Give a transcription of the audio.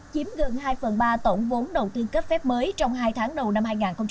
chiếm gần hai phần ba tổng vốn đầu tư cấp phép mới trong hai tháng đầu năm hai nghìn hai mươi